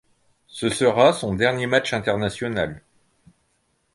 Ce sera son dernier match international.